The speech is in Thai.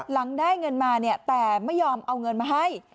หลังได้เงินมาเนี่ยแต่ไม่ยอมเอาเงินมาให้